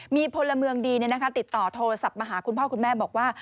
มีพลเมืองดีติดต่อโทรศัพท์มาหาคุณพ่อคุณแม่บอกว่า